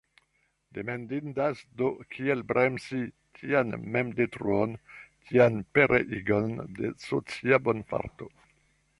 Demandindas, do, kiel bremsi tian memdetruon, tian pereigon de socia bonfarto.